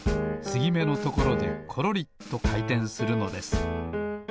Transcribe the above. つぎめのところでコロリとかいてんするのです。